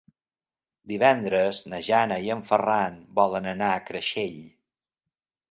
Divendres na Jana i en Ferran volen anar a Creixell.